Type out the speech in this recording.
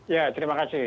ya terima kasih